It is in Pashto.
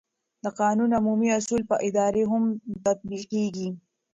د قانون عمومي اصول پر ادارې هم تطبیقېږي.